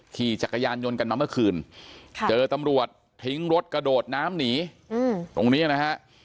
ขี่จักรยานยนต์กันมาเมื่อคืนเจอตำรวจทิ้งรถกระโดดน้ำหนีตรงนี้นะฮะ